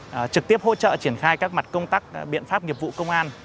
công an trực tiếp hỗ trợ triển khai các mặt công tác biện pháp nghiệp vụ công an